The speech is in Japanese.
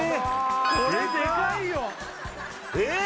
これデカいよえっ！